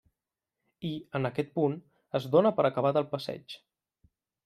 I, en aquest punt, es dóna per acabat el passeig.